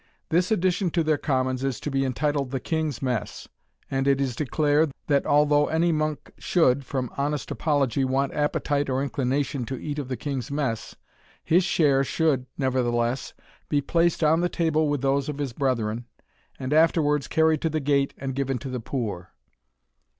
This addition to their commons is to be entitled the King's Mess. And it is declared, that although any monk should, from some honest apology, want appetite or inclination to eat of the king's mess, his share should, nevertheless, be placed on the table with those of his brethren, and afterwards carried to the gate and given to the poor.